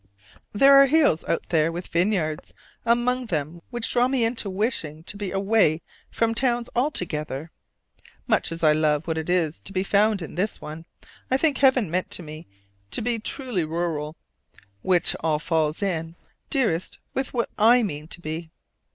There are hills out there with vineyards among them which draw me into wishing to be away from towns altogether. Much as I love what is to be found in this one, I think Heaven meant me to be "truly rural"; which all falls in, dearest, with what I mean to be!